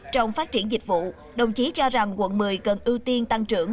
trong phát triển dịch vụ đồng chí cho rằng quận một mươi cần ưu tiên tăng trưởng